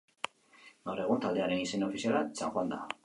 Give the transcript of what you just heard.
Gaur egun taldearen izen ofiziala San Juan da.